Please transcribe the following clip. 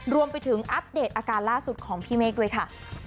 รวมไปถึงอัปเดตอาการล่าสุดของพี่เมฆด้วยค่ะ